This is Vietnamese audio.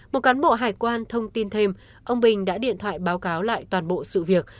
một cán bộ hải quan thông tin thêm ông bình đã điện thoại báo cáo lại toàn bộ sự việc